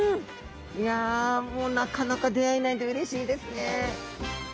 いやもうなかなか出会えないのでうれしいですね。